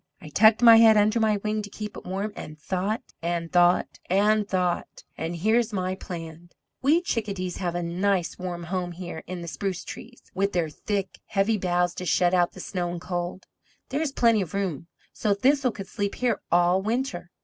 I tucked my head under my wing to keep it warm, and thought, and thought, and thought; and here's my plan: "We Chickadees have a nice warm home here in the spruce trees, with their thick, heavy boughs to shut out the snow and cold. There is plenty of room, so Thistle could sleep here all winter.